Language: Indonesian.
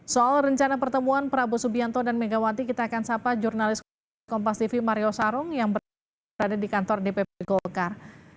soal rencana pertemuan prabowo subianto dan megawati kita akan sapa jurnalis kompas tv mario sarung yang berada di kantor dpp golkar